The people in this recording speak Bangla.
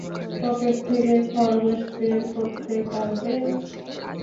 পকেট থেকে খরগোশ বের করতে পারবে?